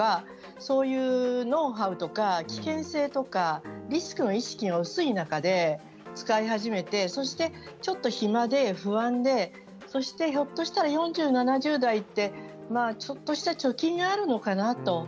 そういうノウハウとか危険性とかリスクの意識が薄い中で使い始めてそして、ちょっと暇で不安でそして、ひょっとしたら４０代から７０代ってちょっとした貯金があるのかな。